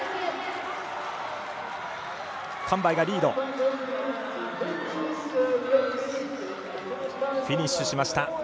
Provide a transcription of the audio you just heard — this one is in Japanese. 韓梅、フィニッシュしました。